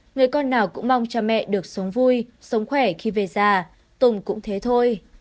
người con nào cũng mong cha mẹ được sống vui sống khỏe khi về già tùng cũng thế thôi